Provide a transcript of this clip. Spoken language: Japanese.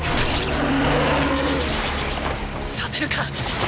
させるか！！